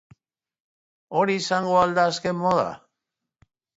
Hori izango al da azken moda?